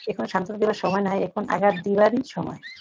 এখন সান্ত্বনা দিবার সময় নহে, এখন আঘাত দিবারই সময়।